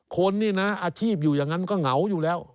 คนนี่นะอาชีพอยู่อย่างนั้นก็เหงาอยู่แล้ว